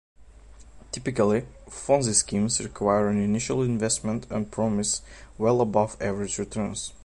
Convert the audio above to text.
Typically, Ponzi schemes require an initial investment and promise well-above-average returns.